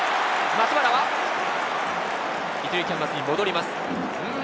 松原は１塁キャンバスに戻ります。